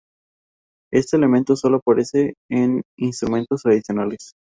Este elemento solo aparece en instrumentos tradicionales.